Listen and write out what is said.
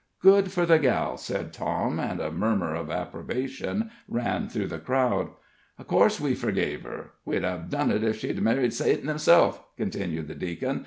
"Good for the gal," said Tom, and a murmur of approbation ran through the crowd. "Of course, we forgave her. We'd hev done it ef she married Satan himself," continued the deacon.